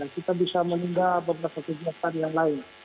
kita bisa meninggal beberapa kejahatan yang lain